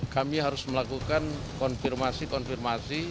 kami harus melakukan konfirmasi konfirmasi